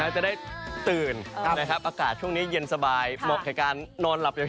จะได้ตื่นอากาศช่วงนี้เย็นสบายเหมาะกับการนอนหลับอย่าง